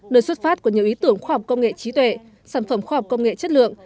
nơi xuất phát của nhiều ý tưởng khoa học công nghệ trí tuệ sản phẩm khoa học công nghệ chất lượng